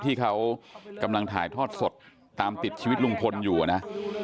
ที่เขากำลังถ่ายทอดสดตามติดชีวิตลุงพลอยู่นะ